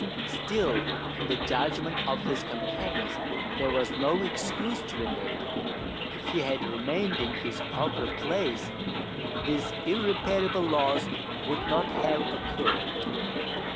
Still, in the judgment of his companions, there was no excuse to be made : if he had remained in his proper place this irreparable loss would not have occurred.